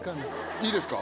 いいですか？